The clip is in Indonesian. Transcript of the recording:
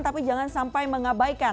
tapi jangan sampai mengabaikan